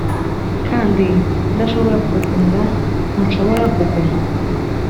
kandi ndashobora kugukenera; ntushobora kuguma? "